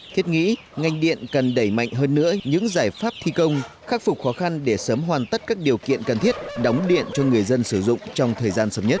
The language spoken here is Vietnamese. thiết nghĩ ngành điện cần đẩy mạnh hơn nữa những giải pháp thi công khắc phục khó khăn để sớm hoàn tất các điều kiện cần thiết đóng điện cho người dân sử dụng trong thời gian sớm nhất